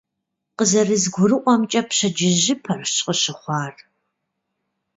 КъызэрызгурыӀуамкӀэ, пщэдджыжьыпэрщ къыщыхъуар.